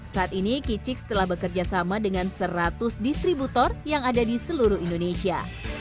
saat ini kicix telah bekerja sama dengan seratus distributor yang ada di seluruh indonesia